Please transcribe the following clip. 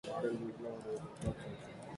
Porque muchos en Judá se habían conjurado con él,